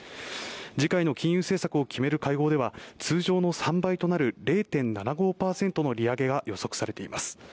次回の金融政策を決める会合では通常の３倍となる、０．７５％の利上げが予測されています。